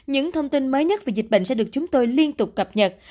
những thông tin mới nhất về dịch bệnh sẽ được chúng tôi liên tục cập nhật